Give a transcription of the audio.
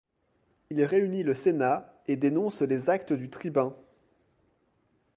Il réunit le Sénat et dénonce les actes du tribun.